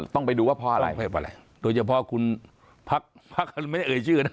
ต้องไปดูว่าพออะไรพออะไรโดยเฉพาะคุณพักพักอื่นไม่เอ่ย